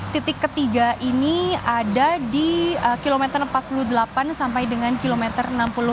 titik ketiga ini ada di kilometer empat puluh delapan sampai dengan kilometer enam puluh empat